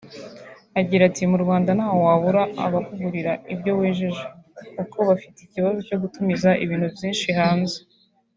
Agira ati “Mu Rwanda ntaho wabura abakugurira ibyo wejeje kuko bafite ikibazo cyo gutumiza ibintu byinshi hanze